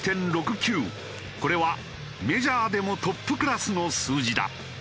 これはメジャーでもトップクラスの数字だ。